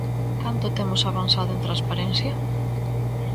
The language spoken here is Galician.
¿Canto temos avanzado en transparencia?